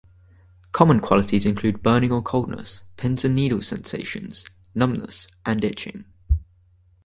Common qualities include burning or coldness, "pins and needles" sensations, numbness and itching.